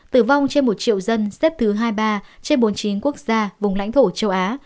tử vong trên một triệu dân xếp thứ hai mươi ba trên bốn mươi chín quốc gia vùng lãnh thổ châu á